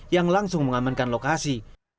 yang langsung mengamankan lokasi